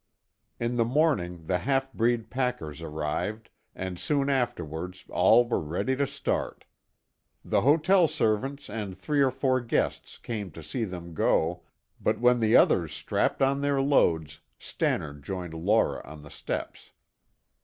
In the morning the half breed packers arrived and soon afterwards all were ready to start. The hotel servants and three or four guests came to see them go, but when the others strapped on their loads Stannard joined Laura on the steps.